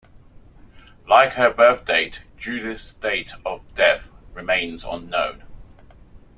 Like her birth date, Judith's date of death remains unknown.